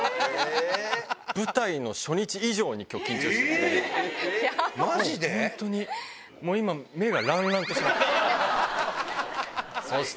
舞台の初日以上に、きょう、緊張してて。